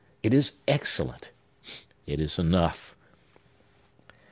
It is excellent! It is enough!